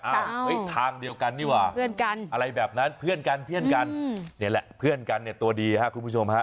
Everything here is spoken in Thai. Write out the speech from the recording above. อ้าวทางเดียวกันนี่ว่าอะไรแบบนั้นเพื่อนกันเพื่อนกันเนี่ยแหละเพื่อนกันเนี่ยตัวดีค่ะคุณผู้ชมค่ะ